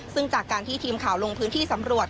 ซึ่งจากการที่ทีมข่าวลงพื้นที่สำรวจ